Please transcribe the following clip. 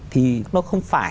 thì nó không phải